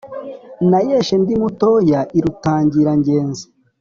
nayeshe ndi mutoya i rutangira ngenzi.